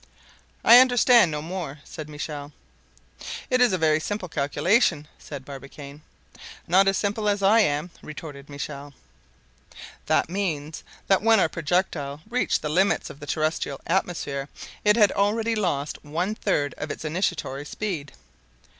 "I understand no more," said Michel. "It is a very simple calculation," said Barbicane. "Not as simple as I am," retorted Michel. "That means, that when our projectile reached the limits of the terrestrial atmosphere it had already lost one third of its initiatory speed."